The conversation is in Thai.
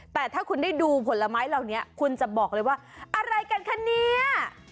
แต่ถ้าคุณได้ดูผลไม้เหล่านี้คุณจะบอกเลยว่าอะไรกันคะเนี่ย